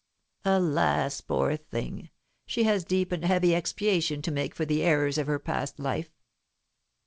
"Alas, poor thing! she has deep and heavy expiation to make for the errors of her past life."